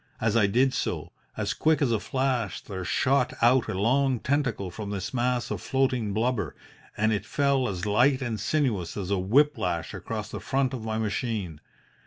As I did so, as quick as a flash there shot out a long tentacle from this mass of floating blubber, and it fell as light and sinuous as a whip lash across the front of my machine.